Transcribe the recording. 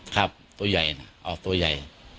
ครับตัวใหญ่นะออกตัวใหญ่